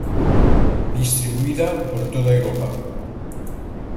Distribuida por toda Europa.